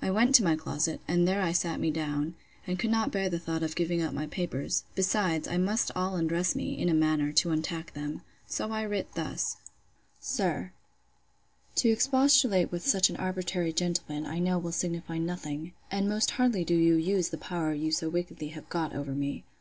I went to my closet, and there I sat me down, and could not bear the thoughts of giving up my papers. Besides, I must all undress me, in a manner, to untack them. So I writ thus: 'SIR, 'To expostulate with such an arbitrary gentleman, I know will signify nothing; and most hardly do you use the power you so wickedly have got over me.